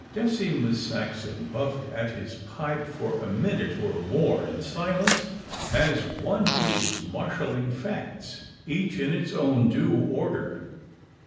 Decimus Saxon puffed at his pipe for a minute or more in silence, as one who is marshalling facts each in its due order.